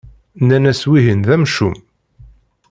Nnan-as wihin d amcum.